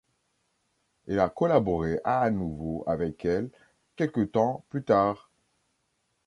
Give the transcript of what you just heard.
Elle a collaboré à nouveau avec elle quelque temps plus tard.